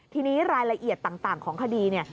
ทีนี้รายละเอียดต่างของคดีเนี่ย